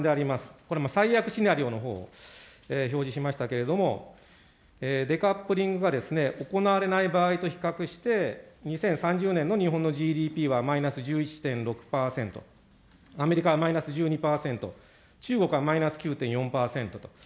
これはもう最悪シナリオのほうを表示しましたけれども、デカップリングは行われない場合と比較して、２０３０年の日本のＧＤＰはマイナス１１．６％、アメリカはマイナス１２％、中国はマイナス９．４％と。